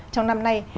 trong năm nay